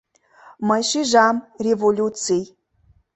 Мый шижам: — Революций!..